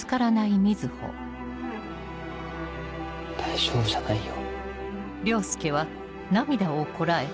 大丈夫じゃないよ。